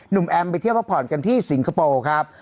แอมไปเที่ยวพักผ่อนกันที่สิงคโปร์ครับ